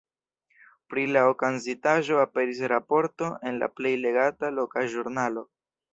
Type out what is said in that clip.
Pri la okazintaĵo aperis raporto en la plej legata loka ĵurnalo.